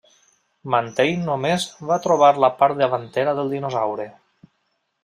Mantell només va trobar la part davantera del dinosaure.